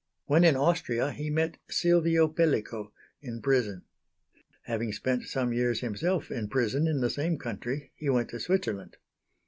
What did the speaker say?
When in Austria he met Silvio Pellico in prison. Having spent some years himself in prison in the same country, he went to Switzerland.